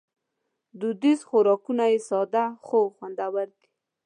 دودیز خوراکونه یې ساده خو خوندور دي.